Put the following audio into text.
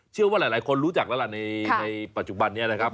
เชื่อว่าหลายคนรู้จักแล้วล่ะในปัจจุบันนี้นะครับ